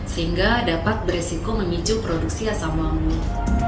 sehingga dapat berisiko memicu produksi asam lambung